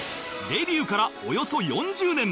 デビューからおよそ４０年